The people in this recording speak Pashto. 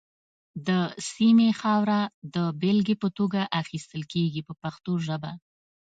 د سیمې خاوره د بېلګې په توګه اخیستل کېږي په پښتو ژبه.